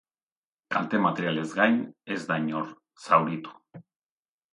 Kalte materialez gain, ez da inor zauritu.